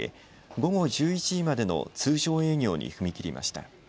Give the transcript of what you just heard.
午後１１時までの通常営業に踏み切りました。